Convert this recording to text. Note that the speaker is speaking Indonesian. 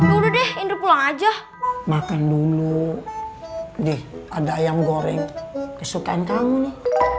udah deh indri pulang aja makan dulu di ada ayam goreng kesukaan kamu nih